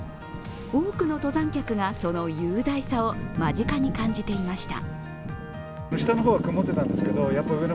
多くの登山客がその雄大さを間近に感じていました。